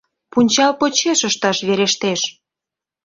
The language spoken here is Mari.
Пунчал почеш ышташ верештеш.